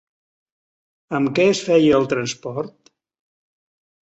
Amb què es feia el transport?